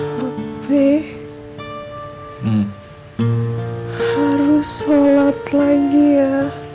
tapi harus sholat lagi ya